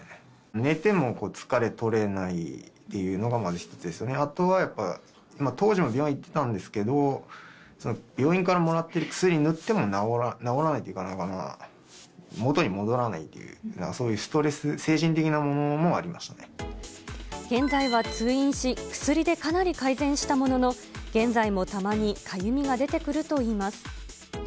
寝ても疲れ取れないっていうのが、まず一つですよね、あとはやっぱ、当時も病院行ってたんですけれども、病院からもらってる薬塗っても治らないというか、元に戻らないっていう、そういうストレス、現在は通院し、薬でかなり改善したものの、現在もたまにかゆみが出てくるといいます。